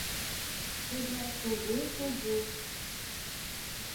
— Тугай кугу-кугу...